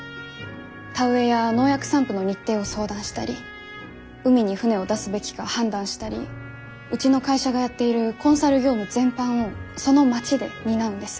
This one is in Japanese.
田植えや農薬散布の日程を相談したり海に船を出すべきか判断したりうちの会社がやっているコンサル業務全般をその町で担うんです。